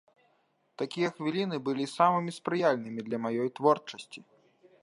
Такія хвіліны былі самымі спрыяльнымі для маёй творчасці.